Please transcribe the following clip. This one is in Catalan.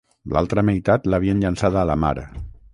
L'altra meitat l'havien llançada a la mar.